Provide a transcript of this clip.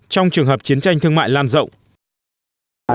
trong trường hợp chiến tranh thương mại lan rộng